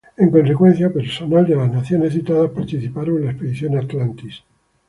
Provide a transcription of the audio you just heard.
En consecuencia, personal de las naciones citadas participaron en la Expedición Atlantis.